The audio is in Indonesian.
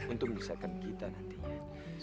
untuk menyisakan kita nantinya